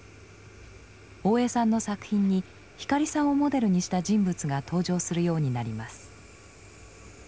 大江さんの作品に光さんをモデルにした人物が登場するようになります。